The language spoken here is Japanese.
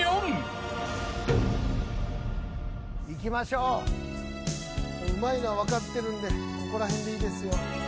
うまいのは分かってるんでここら辺でいいですよ。